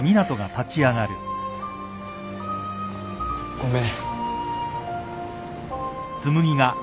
ごめん。